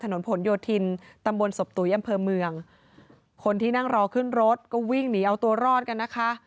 ถนนผลโยธินตำบลศพตุ๋ยอำเภอเมืองคนที่นั่งรอขึ้นรถก็วิ่งหนีเอาตัวรอดกันนะคะ